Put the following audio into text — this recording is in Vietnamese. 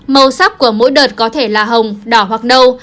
màu sắc của mỗi đợt có thể là hồng đỏ hoặc nâu